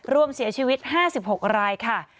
รวมเสียชีวิต๕๖รายค่ะ